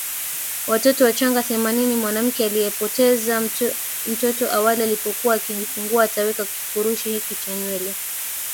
watoto wachanga Themanini Mwanamke aliyepoteza mtoto awali alipokuwa akijifungua ataweka kifurushi hiki cha nywele